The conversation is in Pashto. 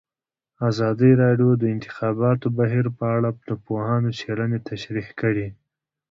ازادي راډیو د د انتخاباتو بهیر په اړه د پوهانو څېړنې تشریح کړې.